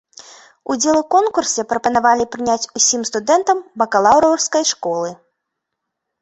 Удзел у конкурсе прапанавалі прыняць усім студэнтам бакалаўраўскай школы.